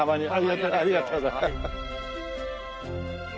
ありがとうございます。